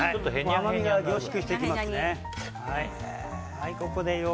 うまみが凝縮していきますね。